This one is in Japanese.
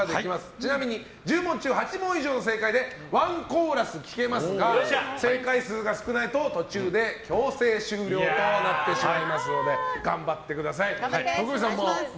ちなみに１０問中８問以上正解でワンコーラス、聴けますが正解数が少ないと途中で強制終了となってしまいますので頑張ってください。